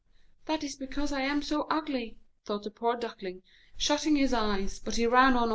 "That is because I am so ugly," thought the Duckling, shutting his eyes, but he ran on.